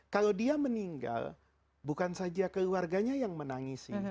kalau dia meninggal bukan saja keluarganya yang menangisi